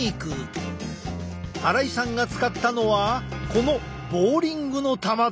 荒井さんが使ったのはこのボウリングの球だ！